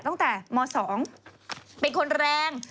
ตั้งแต่ม๒เป็นคนแรง